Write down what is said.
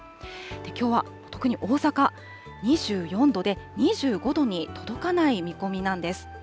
きょうは特に大阪２４度で、２５度に届かない見込みなんです。